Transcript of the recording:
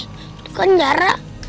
itu kan jarak